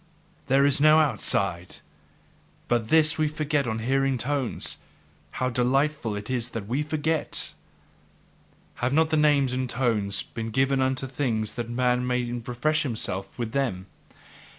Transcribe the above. There is no outside! But this we forget on hearing tones; how delightful it is that we forget! Have not names and tones been given unto things that man may refresh himself with them?